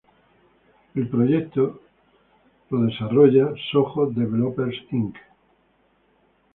El proyecto es desarrollado por Soho Developers Inc.